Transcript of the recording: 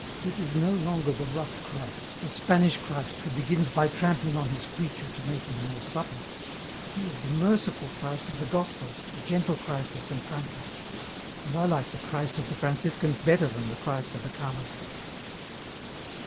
This is no longer the rough Christ, the Spanish Christ who begins by trampling on His creature to make him more supple ; He is the merciful Christ of the Gospels, the gentle Christ of Saint Francis, and I like the Christ of the Franciscans better than the Christ of the Carmelites."